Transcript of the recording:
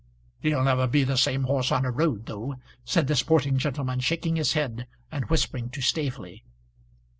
"He'll never be the same horse on a road though," said the sporting gentlemen, shaking his head and whispering to Staveley.